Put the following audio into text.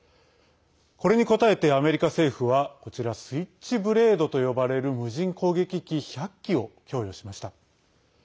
これに応えて、アメリカ政府はスイッチブレードと呼ばれる無人攻撃機１００機を供与しました。